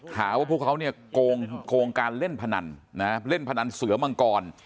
หาว่าพวกเขาเนี่ยโกงการเล่นพนันเล่นพนันเสือมังกร